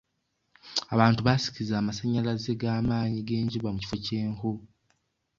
Abantu baasikiza amasannyalaze g'amaanyi g'enjuba mu kifo ky'enku.